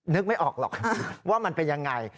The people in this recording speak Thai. นึกไม่ออกหรอกว่ามันเป็นยังไง